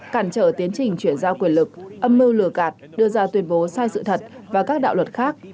cản trở tiến trình chuyển giao quyền lực âm mưu lừa gạt đưa ra tuyên bố sai sự thật và các đạo luật khác